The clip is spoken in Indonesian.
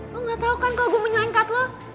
lo gak tau kan kalo gue mau nyelengkat lo